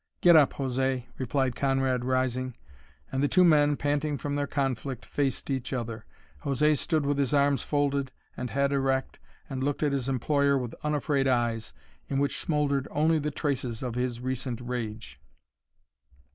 "Get up, José," replied Conrad rising, and the two men, panting from their conflict, faced each other. José stood with his arms folded and head erect and looked at his employer with unafraid eyes, in which smouldered only the traces of his recent rage.